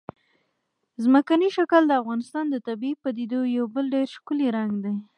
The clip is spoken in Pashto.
ځمکنی شکل د افغانستان د طبیعي پدیدو یو بل ډېر ښکلی رنګ دی.